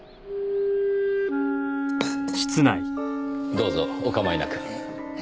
どうぞおかまいなく。